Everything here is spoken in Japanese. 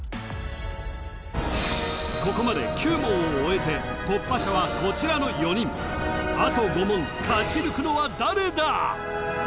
ここまで９問を終えて突破者はこちらの４人あと５問勝ち抜くのは誰だ？